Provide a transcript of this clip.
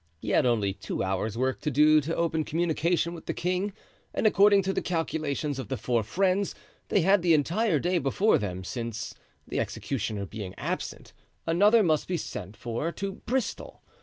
He had only two hours' work to do to open communication with the king and, according to the calculations of the four friends, they had the entire day before them, since, the executioner being absent, another must be sent for to Bristol.